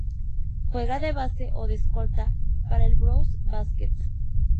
Juega de base o de escolta para el Brose Baskets.